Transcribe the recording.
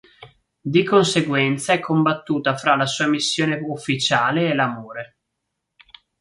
Di conseguenza è combattuta fra la sua missione ufficiale e l'amore.